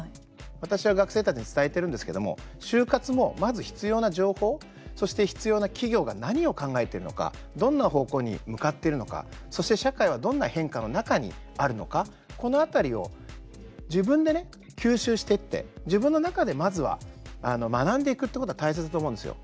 私は、学生たちに伝えているんですけれども就活もまず必要な情報そして必要な企業が何を考えているのかどんな方向に向かっているのかそして社会はどんな変化の中にあるのか、この辺りを自分で吸収していって自分の中でまずは学んでいくっていうことが大切だと思うんですよ。